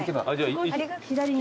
左に。